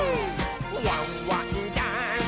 「ワンワンダンス！」